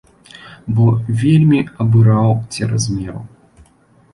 Бо вельмі абыраў цераз меру.